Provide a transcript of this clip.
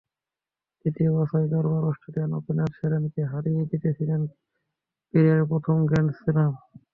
দ্বিতীয় বাছাই কারবার অস্ট্রেলিয়ান ওপেনে সেরেনাকে হারিয়েই জিতেছিলেন ক্যারিয়ারের প্রথম গ্র্যান্ড স্লাম।